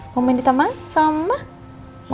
mau main di taman sama mama